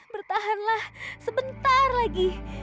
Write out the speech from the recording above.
bertahanlah sebentar lagi